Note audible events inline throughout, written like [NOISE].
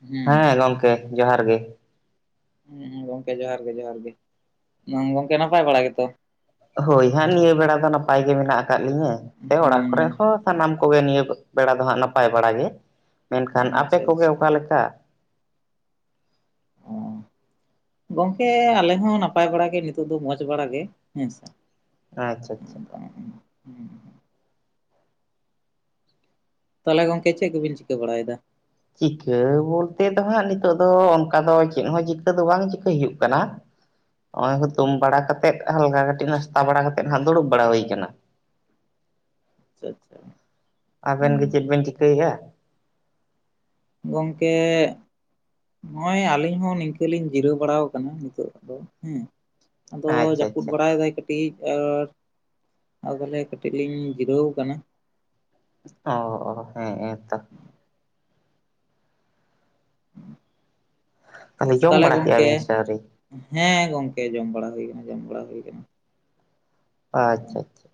ᱦᱩᱸ ᱦᱮᱸ ᱜᱚᱢᱠᱮ ᱡᱚᱦᱟᱨ ᱜᱮ ᱾ ᱦᱸ ᱜᱚᱝᱠᱮ ᱡᱚᱦᱟᱨ ᱜᱮ ᱡᱚᱦᱟᱨ ᱜᱮ ᱜᱚᱝᱠᱮ ᱱᱟᱯᱟᱭ ᱵᱟᱲᱟ ᱜᱮᱛᱚ ᱾ ᱦᱳᱭ ᱦᱟᱸᱜ ᱱᱤᱭᱟᱹ ᱵᱮᱲᱟ ᱫᱚ ᱱᱟᱯᱟᱭ ᱜᱮ ᱢᱮᱱᱟᱜ ᱟᱠᱟᱫ ᱞᱤᱧᱟᱹ ᱟᱯᱮ ᱚᱲᱟᱜ ᱠᱚᱨᱮ ᱦᱩᱸ ᱥᱟᱱᱟᱢ ᱠᱚᱜᱮ ᱱᱤᱭᱟᱹ ᱵᱮᱲᱟ ᱫᱚ ᱦᱟᱸᱜ ᱱᱟᱯᱟᱭ ᱵᱟᱲᱟ ᱜᱮ ᱢᱮᱱᱠᱷᱟᱱ ᱟᱯᱮ ᱟᱪᱪᱷᱟ ᱠᱚᱜᱮ ᱟᱪᱪᱷᱟ ᱚᱠᱟ ᱞᱮᱠᱟ ᱾ ᱚ ᱜᱚᱝᱠᱮ ᱟᱞᱮ ᱦᱚᱸ ᱱᱟᱯᱟᱭ ᱵᱟᱲᱟᱜ ᱜᱮ ᱱᱤᱛᱚᱜ ᱫᱚ ᱢᱚᱡᱽ ᱵᱟᱲᱟᱜ ᱜᱮ ᱦᱮᱸ ᱥᱮ ᱟᱪᱪᱷᱟ ᱟᱪᱪᱷᱟ ᱛᱟᱦᱚᱞᱮ ᱜᱚᱢᱠᱮ ᱪᱮᱫ ᱠᱚᱵᱤᱱ ᱪᱤᱠᱟᱹ ᱵᱟᱲᱟᱭᱮᱫᱟ ᱾ ᱪᱤᱠᱟᱹ ᱵᱚᱞᱛᱮ ᱫᱚ ᱦᱟᱸᱜ ᱱᱤᱛᱚᱜ ᱫᱚ ᱚᱱᱠᱟ ᱫᱚ ᱪᱮᱫ ᱦᱚᱸ ᱪᱤᱠᱟᱹ ᱫᱚ ᱵᱟᱝ ᱪᱤᱠᱟᱹᱭ ᱦᱩᱭᱩᱜ ᱠᱟᱱᱟ ᱾ ᱱᱚᱜ ᱚᱭ ᱦᱩᱛᱩᱢ ᱵᱟᱲᱟ ᱠᱟᱛᱮᱜ ᱦᱟᱞᱠᱟ ᱠᱟᱹᱴᱤᱡ ᱱᱟᱥᱛᱟ ᱵᱟᱲᱟ ᱠᱟᱛᱮ ᱫᱩᱲᱩᱵ ᱵᱟᱲᱟ ᱦᱩᱭ ᱠᱟᱱᱟ ᱾ ᱟᱪᱪᱷᱟ ᱟᱪᱪᱷᱟ ᱟᱵᱮᱱ ᱜᱮ ᱪᱮᱫ ᱵᱮᱱ ᱪᱤᱠᱟᱹᱭᱮᱫᱭᱟ ᱾ ᱜᱚᱝᱠᱮ ᱱᱚᱜᱼᱚᱭ ᱟᱹᱞᱤᱧ ᱦᱚᱸ ᱱᱤᱝᱠᱟᱹᱞᱤᱧ ᱡᱤᱨᱟᱹᱣ ᱵᱟᱲᱟ ᱠᱟᱱᱟ ᱱᱤᱛᱚᱜ ᱫᱚ ᱦᱮᱸ ᱟᱫᱚ ᱟᱪᱪᱷᱟ ᱡᱟᱹᱯᱩᱫ ᱟᱪᱪᱷᱟ ᱵᱟᱲᱟᱭ ᱫᱟᱭ ᱠᱟᱹᱴᱤᱡ ᱠᱟᱹᱴᱤᱡ ᱟᱨ ᱟᱫᱚᱞᱮ ᱠᱟᱹᱴᱤᱡ ᱞᱤᱧ ᱡᱤᱨᱟᱹᱣ ᱟᱠᱟᱱᱟ ᱾ ᱚᱼ ᱚᱦᱮᱸ ᱮᱛᱚ ᱡᱚᱢ ᱛᱟᱦᱚᱞᱮ ᱵᱟᱲᱟ ᱠᱮᱫᱼᱟ ᱜᱚᱝᱠᱮ ᱵᱤᱱ ᱥᱮ ᱟᱹᱣᱨᱤ ᱦᱮᱸ ᱜᱚᱝᱠᱮ ᱡᱚᱢ ᱵᱟᱲᱟ ᱦᱩᱭ ᱠᱟᱱᱟ ᱡᱚᱢ ᱵᱟᱲᱟ ᱦᱩᱭ ᱠᱟᱱᱟ ᱾ ᱟᱪᱪᱷᱟ ᱟᱪᱪᱷᱟ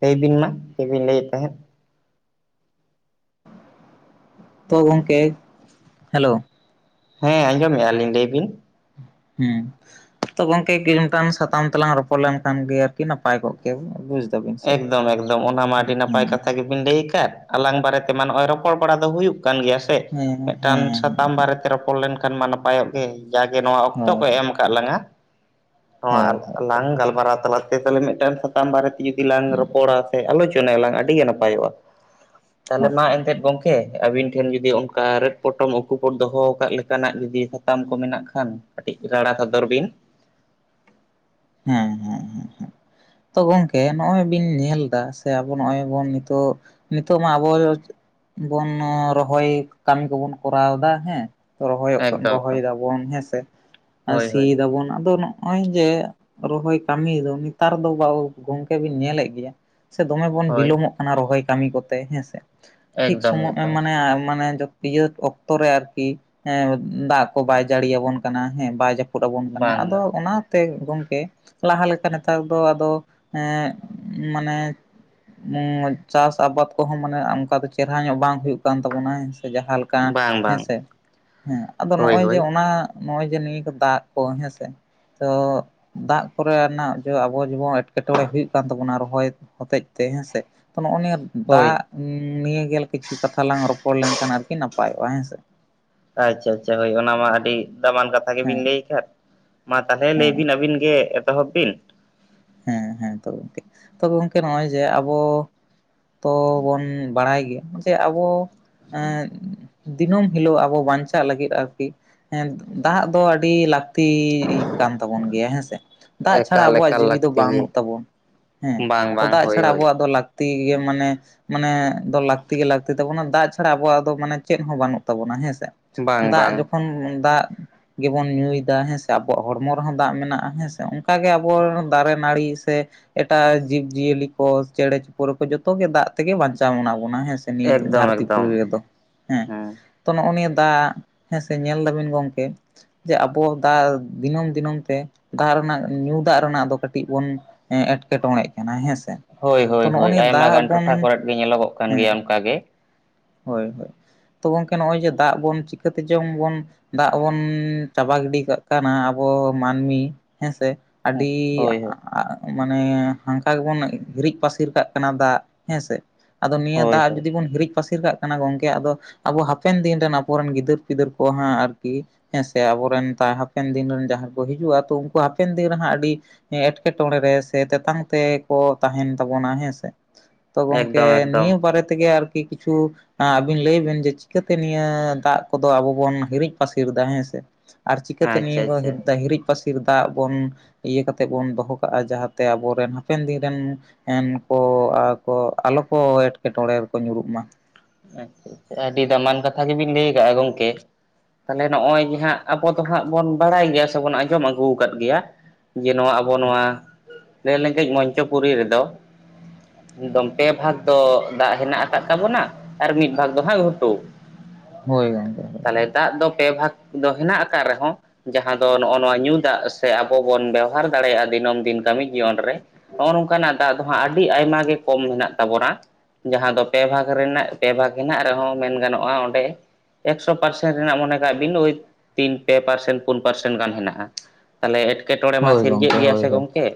ᱞᱟᱹᱭ ᱵᱤᱱ ᱢᱟ ᱪᱮᱫᱵᱤᱱ ᱞᱟᱹᱭᱮᱫ ᱛᱟᱦᱮᱸᱫ ᱾ ᱛᱚ ᱜᱚᱢᱠᱮ ᱦᱮᱞᱳ ᱦᱮᱸ ᱟᱸᱡᱚᱢᱮᱫᱼᱟ ᱞᱤᱧ ᱞᱟᱹᱭ ᱵᱤᱱ ᱦᱮᱸ ᱛᱚ ᱜᱚᱝᱠᱮ ᱢᱤᱫᱴᱟᱝ ᱥᱟᱛᱟᱢ ᱛᱮᱞᱟᱝ ᱨᱚᱯᱚᱲ ᱞᱮᱱᱠᱷᱟᱱ ᱜᱮ ᱟᱨᱠᱤ ᱱᱟᱯᱟᱭ ᱠᱚᱜ - ᱟ ᱾ ᱵᱩᱡᱽ ᱫᱟᱵᱤᱱ ᱥᱮ ᱮᱠᱫᱚᱢ ᱮᱠᱫᱚᱢ ᱚᱱᱟ ᱢᱟ ᱟᱹᱰᱤ ᱱᱟᱯᱟᱭ ᱦᱮᱸ ᱠᱟᱛᱷᱟ ᱜᱮ ᱵᱤᱱ ᱞᱟᱹᱭ ᱟᱠᱟᱫ ᱟᱞᱟᱝ ᱵᱟᱨᱮᱛᱮᱢᱟ ᱱᱚᱜᱼᱚᱭ ᱨᱚᱯᱚᱲ ᱵᱟᱲᱟ ᱫᱚ ᱦᱩᱭᱩᱜ ᱠᱟᱱ ᱜᱮᱭᱟ ᱦᱮᱸ ᱾ ᱢᱤᱫᱴᱟᱝ ᱦᱮᱸ ᱥᱟᱛᱟᱢ ᱦᱮᱸ ᱵᱟᱨᱮᱛᱮ ᱨᱚᱯᱚᱲ ᱞᱮᱱᱠᱷᱟᱱ ᱢᱟ ᱱᱟᱯᱟᱭᱚᱜ ᱜᱮ ᱡᱟᱜᱮ ᱱᱚᱣᱟ ᱚᱠᱛᱚ ᱦᱳᱭ ᱠᱚ ᱮᱢ ᱛᱟᱞᱟᱝᱟ ᱱᱚᱣᱟ ᱦᱳᱭ ᱦᱳᱭ ᱦᱳᱭ ᱞᱟᱝ ᱜᱟᱞᱢᱟᱨᱟᱣ ᱛᱟᱞᱟᱛᱮ ᱛᱟᱦᱚᱞᱮ ᱢᱤᱫᱴᱟᱝ ᱥᱟᱛᱟᱢ ᱵᱟᱨᱮᱛᱮ ᱡᱩᱫᱤ ᱞᱟᱝ ᱨᱚᱯᱚᱲᱟ ᱥᱮ ᱟᱞᱳᱪᱚᱱᱟᱭᱟᱞᱟᱝ ᱟᱹᱰᱤ ᱜᱮ ᱱᱟᱯᱟᱭᱚᱜᱼᱟ ᱛᱟᱦᱚᱞᱮ ᱦᱳᱭ ᱢᱟ ᱦᱳᱭ ᱮᱱᱛᱮᱫ ᱜᱚᱝᱠᱮ ᱛᱮ ᱟᱹᱵᱤᱱ ᱴᱷᱮᱱ ᱡᱩᱫᱤ ᱚᱱᱠᱟ ᱨᱮᱫ ᱯᱚᱴᱚᱢ ᱩᱠᱩ ᱯᱚᱴᱚᱢ ᱫᱚᱦᱚ ᱟᱠᱟᱫ ᱞᱮᱠᱟᱱᱟᱜ ᱡᱩᱫᱤ ᱥᱟᱛᱟᱢ ᱠᱚ ᱢᱮᱱᱟᱜ ᱠᱷᱟᱱ ᱠᱟᱴᱤᱡ ᱨᱟᱨᱟ ᱥᱚᱫᱚᱨ ᱵᱤᱱ ᱦᱩᱸ ᱦᱩᱸ ᱦᱩᱸ ᱛᱚ ᱜᱚᱝᱠᱮ ᱱᱚᱜᱼᱚᱭ ᱵᱤᱱ ᱧᱮᱞ ᱮᱫᱟ ᱥᱮ ᱟᱵᱚ ᱱᱚᱜᱼᱚᱭ ᱵᱚᱱ ᱱᱤᱛᱚᱜ ᱱᱤᱛᱚᱜ ᱢᱟ ᱟᱵᱚ ᱵᱚᱱ ᱨᱚᱦᱚᱭ ᱠᱟᱹᱢᱤ ᱠᱚᱵᱚᱱ ᱠᱚᱨᱟᱣᱫᱟ ᱦᱮᱸ ᱨᱚᱦᱚᱭᱚᱜ ᱮᱠᱫᱚᱢ ᱨᱚᱦᱚᱭ ᱮᱠᱫᱚᱢ ᱫᱟᱵᱚᱱ ᱦᱮᱸᱥᱮ ᱦᱳᱭ ᱦᱳᱭ ᱥᱤᱭ ᱫᱟᱵᱚᱱ ᱟᱫᱚ ᱱᱚᱜᱼᱚᱭ ᱡᱮ ᱨᱚᱦᱚᱭ ᱠᱟᱹᱢᱤ ᱫᱚ ᱱᱮᱛᱟᱨ ᱫᱚ ᱜᱚᱝᱠᱮ ᱵᱤᱱ ᱧᱮᱞᱮᱫ ᱜᱮᱭᱟ ᱥᱮ ᱫᱚᱢᱮ ᱵᱚᱱ ᱦᱳᱭ ᱵᱤᱞᱚᱢᱚᱜ ᱠᱟᱱᱟ ᱾ ᱨᱚᱦᱚᱭ ᱠᱟᱹᱢᱤ ᱠᱚᱛᱮ ᱦᱮᱸᱥᱮ ᱴᱷᱤᱠ ᱮᱠᱫᱚᱢ ᱥᱚᱢᱚᱭ ᱮᱠᱫᱚᱢ ᱢᱟᱱᱮ ᱢᱟᱱᱮ ᱤᱭᱟᱹ ᱚᱠᱛᱚ ᱨᱮ ᱟᱨᱠᱤ ᱫᱟᱜ ᱠᱚ ᱵᱟᱭ ᱡᱟᱹᱲᱤᱭᱟᱵᱚᱱ ᱠᱟᱱᱟ ᱦᱮᱸ ᱵᱟᱭ ᱡᱟᱹᱯᱩᱫ ᱡᱟᱹᱯᱩᱫᱟᱵᱚᱱ ᱠᱟᱱᱟ ᱵᱟᱝ ᱟᱫᱚ ᱵᱟᱝ ᱚᱱᱟᱛᱮ ᱜᱚᱢᱠᱮ ᱞᱟᱦᱟ ᱞᱮᱠᱟ ᱱᱮᱛᱟᱨ ᱫᱚ ᱟᱫᱚ ᱮᱸ ᱢᱟᱱᱮ ᱚᱸ ᱪᱟᱥ ᱟᱵᱟᱫᱽ ᱠᱚᱦᱚᱸ ᱢᱟᱱᱮ ᱚᱱᱠᱟ ᱫᱚ ᱪᱮᱨᱦᱟ ᱧᱚᱜ ᱵᱟᱝ ᱦᱩᱭᱩᱜ ᱠᱟᱱ ᱛᱟᱵᱚᱱᱟ ᱦᱮᱸ ᱥᱮ ᱡᱟᱦᱟᱸᱠᱟ ᱵᱟᱝ ᱵᱟᱝ ᱦᱮᱸᱥᱮ ᱦᱮᱸ ᱟᱫᱚ ᱦᱳᱭ ᱱᱚᱜᱼᱚᱭ ᱡᱮ ᱦᱳᱭ ᱚᱱᱟ ᱱᱚᱜᱼᱚᱭ ᱡᱮ ᱱᱤᱭᱟᱹ ᱠᱚ ᱫᱟᱜ ᱠᱚ ᱦᱮᱸᱥᱮ ᱛᱚ ᱫᱟᱜ ᱠᱚᱨᱮᱱᱟᱜ ᱡᱚ ᱟᱵᱚ ᱡᱮᱢᱚᱱ ᱮᱴᱠᱮᱴᱚᱬᱮ ᱦᱩᱭᱩᱜ ᱠᱟᱱ ᱛᱟᱵᱚᱱᱟ ᱨᱚᱦᱚᱭ ᱦᱚᱛᱮᱡ ᱛᱮ ᱦᱮᱸᱥᱮ ᱛᱚ ᱱᱚᱜᱼᱚᱭ ᱱᱤᱭᱟᱹ ᱫᱟᱜ ᱦᱳᱭ ᱱᱤᱭ ᱜᱮ ᱠᱤᱪᱷᱩ ᱠᱟᱛᱷᱟ ᱞᱟᱝ ᱨᱚᱯᱚᱲ ᱞᱮᱱᱠᱷᱟᱱ ᱟᱨᱠᱤ ᱱᱟᱯᱟᱭᱚᱜᱼᱟ ᱦᱮᱸ ᱥᱮ ᱟᱪᱷᱟ ᱟᱪᱷᱟ ᱦᱳᱭ ᱚᱱᱟ ᱢᱟ ᱟᱹᱰᱤ ᱫᱟᱢᱟᱱ ᱠᱟᱛᱷᱟ ᱜᱮᱵᱤᱱ ᱦᱮᱸ ᱞᱟᱹᱭ ᱠᱟᱫ ᱢᱟ ᱛᱟᱦᱚᱞᱮ ᱞᱟᱹᱭ ᱦᱮᱸ ᱵᱤᱱ ᱟᱹᱵᱤᱱ ᱜᱮ ᱮᱛᱚᱦᱚᱵ ᱵᱤᱱ ᱦᱮᱸ ᱦᱮᱸ ᱛᱚᱵᱮ ᱴᱷᱤᱠ ᱛᱚᱵᱮ ᱜᱚᱝᱠᱮ ᱱᱚᱜᱼᱚᱭ ᱡᱮ ᱟᱵᱚ ᱛᱚᱻ ᱵᱚᱱ ᱵᱟᱲᱟᱭ ᱜᱮᱭᱟ ᱡᱮ ᱟᱵᱚ ᱫᱤᱱᱟᱹᱢ ᱦᱤᱞᱳᱜ ᱟᱵᱚ ᱵᱟᱧᱪᱟᱜ ᱞᱟᱹᱜᱤᱫ ᱟᱨᱠᱤ ᱦᱮᱸ ᱫᱟᱜ ᱫᱚ ᱟᱹᱰᱤ ᱞᱟ ᱼᱛᱤ ᱠᱟᱱ ᱛᱟᱵᱚᱱ ᱜᱮᱭᱟ ᱦᱮᱸᱥᱮ ᱫᱟᱜ ᱪᱷᱟᱲᱟ ᱮᱠᱟᱞ ᱟᱵᱚᱣᱟᱜ ᱮᱠᱟᱞ ᱡᱤᱣᱤ ᱞᱟᱹᱠᱛᱤ ᱜᱮ ᱵᱩᱱᱩᱜ ᱛᱟᱵᱚᱱ ᱦᱮᱸ ᱵᱟᱝ ᱵᱟᱝ ᱫᱟᱜ ᱦᱳᱭ ᱪᱷᱟᱲᱟ ᱦᱳᱭ ᱟᱵᱚᱣᱟᱜ ᱫᱚ ᱞᱟᱹᱠᱛᱤ ᱜᱮᱭᱟ ᱢᱟᱱᱮ ᱢᱟᱱᱮ ᱫᱚ ᱞᱟᱹᱠᱛᱤ ᱜᱮ ᱞᱟᱹᱠᱛᱤ ᱛᱟᱵᱚᱱᱟ ᱫᱟᱜ ᱪᱷᱟᱲᱟ ᱟᱵᱚᱣᱟᱜ ᱫᱚ ᱢᱟᱱᱮ ᱪᱮᱫ ᱦᱚᱸ ᱵᱟᱹᱱᱩᱜ ᱛᱟᱵᱚᱱᱟ ᱦᱮᱸᱥᱮ ᱵᱟᱝ ᱫᱟᱜ ᱵᱟᱝ ᱡᱚᱠᱷᱚᱱ ᱫᱟᱜ ᱜᱮᱵᱚᱱ ᱧᱩᱭᱫᱟ ᱦᱮᱸ ᱥᱮ ᱟᱵᱚᱣᱟᱜ ᱦᱚᱲᱢᱚ ᱨᱮᱦᱚᱸ ᱫᱟᱜ ᱢᱮᱱᱟᱜᱼᱟ ᱦᱮᱸ ᱥᱮ ᱚᱱᱠᱟᱜᱮ ᱟᱵᱚ ᱫᱟᱨᱮ ᱱᱟᱹᱲᱤ ᱥᱮ ᱮᱴᱟᱜ ᱡᱤᱵᱽ ᱡᱤᱭᱟᱹᱞᱤ ᱠᱚ ᱪᱮᱬᱮ ᱪᱤᱯᱨᱩ ᱠᱚ ᱡᱚᱛᱚᱜ ᱜᱮ ᱫᱟᱜ ᱛᱮᱜᱮ ᱵᱟᱧᱪᱟᱣ ᱢᱮᱱᱟᱜ ᱵᱚᱱᱟ ᱦᱮᱸᱥᱮ ᱱᱤᱭᱟᱹ ᱮᱠᱫᱚᱢ ᱫᱷᱟᱹᱨᱛᱤ ᱮᱠᱫᱚᱢ ᱯᱩᱨᱤ ᱨᱮᱫᱚ ᱦᱮᱸ ᱛᱚ ᱱᱚᱜᱼᱚᱭ ᱱᱤᱭᱟᱹ ᱫᱟᱜ ᱦᱮᱸ ᱥᱮ ᱧᱮᱞ ᱫᱟᱹᱵᱤᱱ ᱜᱚᱢᱠᱮ ᱡᱮ ᱟᱵᱚ ᱫᱟᱜ ᱫᱤᱱᱟᱹᱢ ᱫᱤᱱᱟᱹᱢ ᱛᱮ ᱫᱟᱜ ᱨᱮᱱᱟᱜ ᱧᱩ ᱫᱟᱜ ᱨᱮᱱᱟᱜ ᱫᱚ ᱠᱟᱹᱴᱤᱡ ᱵᱚᱱ ᱮᱸᱴᱠᱮᱴᱚᱬᱮᱜ ᱠᱟᱱᱟ ᱦᱮᱸᱥᱮ ᱦᱳᱭ ᱛᱚ ᱦᱳᱭ ᱱᱚᱜᱼᱚ ᱦᱳᱭ ᱱᱤᱭᱟᱹ ᱟᱭᱢᱟ ᱫᱟᱜ ᱜᱟᱱ ᱵᱚᱱ ᱴᱚᱴᱷᱟ ᱠᱚᱨᱮᱫ ᱜᱮ ᱧᱮᱞᱚᱜᱚᱜ ᱠᱟᱱ ᱦᱮᱸ ᱜᱮᱭᱟ ᱚᱱᱠᱟ ᱜᱮ ᱦᱳᱭ ᱦᱳᱭ ᱛᱚ ᱜᱚᱢᱠᱮ ᱱᱚᱜᱼᱚᱭ ᱡᱮ ᱫᱟᱜ ᱵᱚᱱ ᱪᱤᱠᱟᱹᱛᱮ ᱡᱚᱝ ᱵᱚᱱ ᱫᱟᱜ ᱵᱚᱱ ᱪᱟᱵᱟ ᱜᱤᱰᱤ ᱠᱟᱜ ᱠᱟᱱᱟ ᱟᱵᱚ ᱢᱟᱹᱱᱢᱤ ᱦᱮᱸᱥᱮ ᱦᱳᱭ ᱟᱹᱰᱤ ᱦᱳᱭ ᱟᱜ ᱢᱟᱱᱮ ᱦᱟᱱᱠᱟ ᱜᱮᱵᱚᱱ ᱦᱤᱨᱤᱡ ᱯᱟᱹᱥᱤᱨ ᱠᱟᱜ ᱠᱟᱱᱟ ᱫᱟᱜ ᱦᱮᱸᱥᱮ ᱟᱫᱚ ᱱᱤᱭᱟᱹ ᱦᱳᱭ ᱫᱟᱜ ᱦᱳᱭ ᱡᱩᱫᱤ ᱵᱚᱱ ᱦᱤᱨᱤᱡ ᱯᱟᱹᱥᱤᱨ ᱠᱟᱜ ᱠᱟᱱᱟ ᱜᱚᱝᱠᱮ ᱟᱫᱚ ᱟᱵᱚ ᱦᱟᱯᱮᱱ ᱫᱤᱱ ᱨᱮᱱ ᱟᱵᱚᱨᱮᱱ ᱜᱤᱫᱟᱹᱨ ᱯᱤᱫᱟᱹᱨ ᱠᱚ ᱦᱟᱸᱜ ᱟᱨᱠᱤ ᱦᱮᱸ ᱥᱮ ᱟᱵᱚᱨᱮᱱ ᱦᱟᱯᱮᱱ ᱫᱤᱱ ᱨᱮᱱ ᱡᱟᱦᱟᱸᱭ ᱠᱚ ᱦᱤᱡᱩᱜᱼᱟ ᱛᱚ ᱩᱱᱠᱩ ᱦᱟᱯᱮᱱ ᱫᱤᱱ ᱨᱮᱦᱟᱸᱜ ᱟᱹᱰᱤ ᱮᱴᱠᱮᱴᱚᱬᱮ ᱨᱮ ᱥᱮ ᱛᱮᱛᱟᱝ ᱛᱮᱠᱚ ᱛᱟᱦᱮᱱ ᱛᱟᱵᱚᱱᱟ ᱦᱮᱸ ᱥᱮ ᱛᱚ ᱮᱠᱫᱚᱢ ᱜᱚᱝᱠᱮ ᱮᱠᱫᱚᱢ ᱱᱤᱭᱟᱹ ᱵᱟᱨᱮ ᱛᱮᱜᱮ ᱟᱨᱠᱤ ᱠᱤᱪᱷᱩ ᱟᱹᱵᱤᱱ ᱞᱟᱹᱭ ᱵᱤᱱ ᱡᱮ ᱪᱤᱠᱟᱹᱛᱮ ᱱᱤᱭᱟᱹ ᱫᱟᱜ ᱠᱚᱫᱚ ᱟᱵᱚ ᱵᱚᱱ ᱦᱤᱨᱤᱡ ᱯᱟᱹᱥᱤᱨᱫᱟ ᱦᱮᱸ ᱥᱮ ᱟᱨ ᱪᱤᱠᱟᱹᱛᱮ ᱱᱤᱭᱟᱹ ᱟᱪᱪᱷᱟ ᱠᱚ ᱟᱪᱪᱷᱟ ᱦᱤᱨᱤᱡ ᱯᱟᱹᱟᱥᱤᱨ ᱫᱟᱜ ᱵᱚᱱ ᱤᱭᱟᱹ ᱠᱟᱛᱮ ᱛᱮᱵᱚᱱ ᱫᱚᱦᱚ ᱠᱟᱜᱼᱟ ᱡᱟᱦᱟᱸᱛᱮ ᱟᱵᱚᱨᱮᱱ ᱦᱟᱯᱮᱱ ᱫᱤᱱ ᱨᱮᱱ ᱮᱱᱠᱚ ᱟᱨᱠᱚ ᱟᱞᱚ ᱠᱚ ᱮᱴᱠᱮᱴᱚᱬᱮ ᱨᱮᱠᱚ ᱧᱩᱨᱩᱜ ᱢᱟ ᱟᱪᱪᱷᱟ ᱟᱪᱪᱷᱟ ᱟᱹᱰᱤ ᱫᱟᱢᱟᱱ ᱠᱟᱛᱷᱟ ᱜᱮᱵᱤᱱ ᱞᱟᱹᱭ ᱟᱠᱟᱜᱼᱟ ᱜᱚᱢᱠᱮ ᱛᱟᱦᱚᱞᱮ ᱱᱚᱸᱜᱼᱚᱸᱭ ᱡᱮ ᱦᱟᱸᱜ ᱟᱵᱚ ᱫᱚ ᱦᱟᱸᱜ ᱵᱚᱱ ᱵᱟᱲᱟᱭ ᱜᱮᱭᱟ ᱥᱮᱵᱚᱱ ᱟᱸᱡᱚᱢ ᱟᱹᱜᱩ ᱟᱠᱟᱫ ᱜᱮᱭᱟ ᱡᱮ ᱱᱚᱣᱟ ᱟᱵᱚ ᱱᱚᱣᱟ ᱞᱮ ᱞᱮᱝᱜᱮᱡ ᱢᱚᱧᱪᱚᱯᱩᱨᱤ ᱨᱮᱫᱚ ᱮᱠᱫᱚᱢ ᱯᱮ ᱵᱷᱟᱜᱽ ᱫᱚ ᱫᱟᱜ ᱦᱮᱱᱟᱜ ᱟᱠᱟᱫ ᱛᱟᱵᱚᱱᱟ ᱟᱨ ᱢᱤᱫ ᱵᱷᱟᱜᱽ ᱫᱚ ᱦᱟᱸᱜ ᱜᱷᱩᱴᱩ ᱦᱳᱭ ᱜᱚᱝᱠᱮ [UNINTELLIGIBLE] ᱛᱟᱦᱚᱞᱮ ᱫᱟᱜ ᱫᱚ ᱯᱮ ᱵᱷᱟᱜᱽ ᱫᱚ ᱦᱮᱱᱟᱜ ᱟᱠᱟᱫ ᱨᱮᱦᱚᱸ ᱡᱟᱦᱟᱸ ᱫᱚ ᱱᱚᱜᱼᱚᱭ ᱱᱚᱣᱟ ᱧᱩ ᱫᱟᱜ ᱥᱮ ᱟᱵᱚ ᱵᱚᱱ ᱵᱮᱣᱦᱟᱨ ᱫᱟᱲᱮᱭᱟᱜᱼᱟ ᱫᱤᱱᱟᱹᱢ ᱫᱤᱱ ᱠᱟᱹᱢᱤ ᱡᱤᱭᱚᱱ ᱨᱮ ᱱᱚᱜᱼᱚ ᱱᱚᱝᱠᱟᱱᱟᱜ ᱫᱟᱜ ᱫᱚ ᱦᱟᱸᱜ ᱟᱹᱰᱤ ᱟᱭᱢᱟ ᱜᱮ ᱠᱚᱢ ᱢᱮᱱᱟᱜ ᱛᱟᱵᱚᱱᱟ ᱡᱟᱦᱟᱸ ᱫᱚ ᱯᱮ ᱵᱷᱟᱜᱽ ᱨᱮᱱᱟᱜ ᱯᱮ ᱵᱷᱟᱜᱽ ᱦᱮᱱᱟᱜ ᱨᱮᱦᱚᱸ ᱢᱮᱱ ᱜᱟᱱᱚᱜᱼᱟ ᱚᱸᱰᱮ ᱮᱠᱥᱚ ᱯᱟᱨᱥᱮᱱ ᱨᱮᱱᱟᱜ ᱢᱚᱱᱮ ᱠᱟᱜ ᱵᱤᱱ ᱳᱭ ᱛᱤᱱ ᱯᱮ ᱯᱟᱨᱥᱮᱱ ᱯᱩᱱ ᱯᱟᱨᱥᱮᱱ ᱜᱟᱱ ᱦᱮᱱᱟᱜᱼᱟ ᱛᱟᱦᱚᱞᱮ ᱮᱴᱠᱮᱴᱚᱬᱮ ᱢᱟ ᱦᱳᱭ ᱥᱤᱨᱡᱟᱹᱜ ᱜᱚᱝᱠᱮ ᱜᱮᱭᱟ ᱦᱳᱭ ᱥᱮ ᱦᱳᱭ ᱜᱚᱢᱠᱮ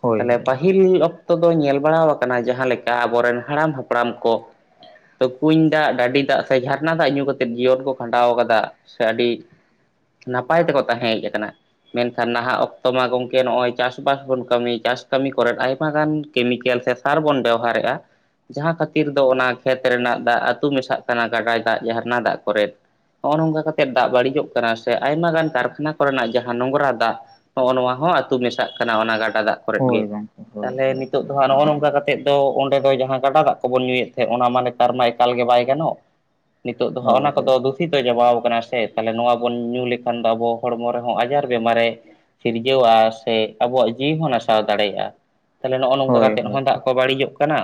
ᱦᱳᱭ ᱛᱟᱦᱚᱞᱮ ᱯᱟᱹᱦᱤᱞ ᱚᱠᱛᱚ ᱚᱠᱛᱚ ᱫᱚ ᱧᱮᱞ ᱵᱟᱲᱟ ᱟᱠᱟᱱᱟ ᱡᱟᱦᱟᱸ ᱞᱮᱠᱟ ᱟᱵᱚᱨᱮᱱ ᱦᱟᱲᱟᱢ ᱦᱟᱯᱲᱟᱢ ᱠᱚ ᱛᱚ ᱠᱩᱧ ᱫᱟᱜ ᱰᱟᱹᱰᱤ ᱫᱟᱜ ᱥᱮ ᱡᱷᱟᱨᱱᱟ ᱫᱟᱜ ᱧᱩ ᱠᱟᱛᱮ ᱡᱤᱭᱚᱱ ᱠᱚ ᱠᱷᱟᱸᱰᱟᱣ ᱟᱠᱟᱫᱟ ᱥᱮ ᱟᱹᱰᱤ ᱱᱟᱯᱟᱭ ᱛᱮᱠᱚ ᱛᱟᱦᱮᱸ ᱦᱮᱡ ᱟᱠᱟᱱᱟ ᱢᱮᱱᱠᱷᱟᱱ ᱱᱟᱦᱟᱜ ᱚᱠᱛᱚ ᱢᱟ ᱜᱚᱢᱠᱮ ᱱᱚᱸᱜᱼᱚᱸᱭ ᱪᱟᱥᱵᱟᱥ ᱵᱚᱱ ᱠᱟᱹᱢᱤ ᱪᱟᱥ ᱠᱟᱹᱢᱤ ᱠᱚᱨᱮᱫ ᱟᱭᱢᱟ ᱜᱟᱱ ᱠᱮᱢᱤᱠᱮᱞ ᱥᱮ ᱥᱟᱨ ᱵᱚᱱ ᱵᱮᱦᱟᱨᱮᱜ ᱟ ᱡᱟᱦᱟᱸ ᱠᱷᱟᱹᱛᱤᱨ ᱫᱚ ᱚᱱᱟ ᱠᱷᱮᱛ ᱨᱮᱱᱟᱜ ᱫᱟᱜ ᱟᱹᱛᱩ ᱢᱮᱥᱟᱜ ᱠᱟᱱᱟ ᱜᱟᱰᱟᱭ ᱫᱟᱜ ᱡᱷᱟᱨᱱᱟ ᱫᱟᱜ ᱠᱚᱨᱮ ᱦᱚᱸᱜ ᱚ ᱱᱚᱝᱠᱟ ᱠᱟᱛᱮᱫ ᱫᱟᱜ ᱵᱟᱹᱲᱤᱡᱚᱜ ᱠᱟᱱᱟ ᱥᱮ ᱟᱭᱢᱟ ᱜᱟᱱ ᱠᱟᱨᱠᱷᱟᱱᱟ ᱠᱚᱨᱮᱱᱟᱜ ᱡᱟᱦᱟᱸ ᱱᱚᱝᱨᱟ ᱫᱟᱜ ᱦᱚᱜ ᱚ ᱱᱚᱣᱟ ᱦᱚᱸ ᱟᱹᱛᱩ ᱢᱮᱥᱟᱜ ᱠᱟᱱᱟ ᱚᱱᱟ ᱜᱟᱰᱟ ᱫᱟᱜ ᱠᱚᱨᱮᱫ ᱦᱳᱭ ᱜᱮ ᱜᱚᱝᱠᱮ ᱦᱳᱭ ᱛᱟᱦᱚᱞᱮ ᱦᱳᱭ ᱱᱤᱛᱚᱜ ᱱᱚᱣᱟ ᱱᱚᱜ ᱚ ᱱᱚᱝᱠᱟ ᱠᱟᱛᱮᱫ ᱫᱚ ᱚᱸᱰᱮ ᱫᱚ ᱡᱟᱦᱟᱸ ᱜᱟᱰᱟ ᱫᱟᱜ ᱠᱚᱵᱚᱱ ᱧᱩᱭᱮᱫ ᱛᱟᱦᱮᱸᱡ ᱚᱱᱟ ᱢᱟ ᱱᱮᱛᱟᱨ ᱢᱟ ᱮᱠᱟᱞ ᱜᱮ ᱵᱟᱭ ᱜᱟᱱᱚᱜ ᱱᱤᱛᱳᱜ ᱫᱚ ᱦᱚᱜ ᱦᱳᱭ ᱚᱱᱟ ᱦᱳᱭ ᱠᱚᱫᱚ ᱫᱩᱜ ᱦᱤᱛᱫᱚ ᱪᱟᱵᱟᱣ ᱠᱟᱱᱟ ᱥᱮ ᱛᱟᱦᱚᱞᱮ ᱱᱚᱣᱟ ᱵᱚᱱ ᱧᱩ ᱞᱮᱠᱷᱟᱱ ᱫᱚ ᱟᱵᱚ ᱦᱚᱲᱢᱚ ᱨᱮᱦᱚᱸ ᱟᱡᱟᱨ ᱵᱮᱢᱟᱨᱮ ᱥᱤᱨᱡᱟᱹᱣᱟ ᱥᱮ ᱟᱵᱚᱭᱟᱜ ᱡᱤᱭᱤ ᱦᱚ ᱱᱟᱥᱟᱣ ᱫᱟᱲᱮᱟᱜ ᱟ ᱛᱟᱦᱚᱞᱮ ᱱᱚᱜ ᱚ ᱱᱚᱝᱠᱟ ᱦᱳᱭ ᱠᱟᱛᱮ ᱦᱳᱭ ᱦᱚᱸ ᱫᱟᱜ ᱠᱚ ᱵᱟᱹᱲᱤᱡᱚᱜ ᱠᱟᱱᱟ